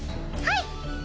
はい！